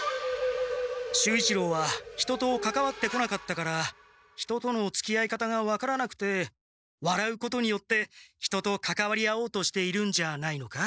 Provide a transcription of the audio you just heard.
守一郎は人とかかわってこなかったから人とのつきあい方が分からなくてわらうことによって人とかかわり合おうとしているんじゃないのか？